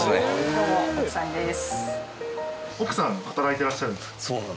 どうも奥さんです。